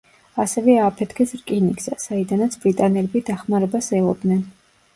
ასევე ააფეთქეს რკინიგზა, საიდანაც ბრიტანელები დახმარებას ელოდნენ.